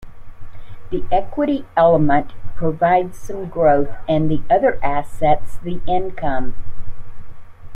The equity element provides some growth and the other assets the income.